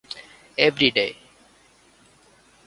Every Day.